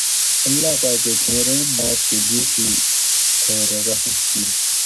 اللّٰہ پاکہ چھیں رین ناۤت کہ بیڛی تھئ رہ رحم کیر